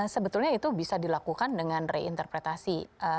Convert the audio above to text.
sebetulnya itu bisa dilakukan dengan reinterpretasi